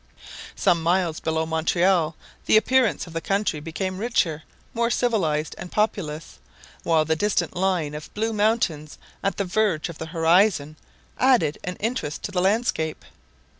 Some miles below Montreal the appearance of the country became richer, more civilized, and populous; while the distant line of blue mountains, at the verge of the horizon, added an interest to the landscape.